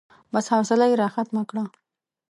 بس، حوصله يې راختمه کړه.